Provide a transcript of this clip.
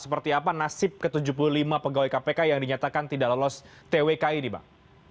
seperti apa nasib ke tujuh puluh lima pegawai kpk yang dinyatakan tidak lolos twk ini bang